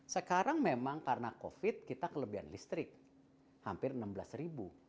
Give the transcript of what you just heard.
sekarang memang karena covid kita kelebihan listrik hampir enam belas ribu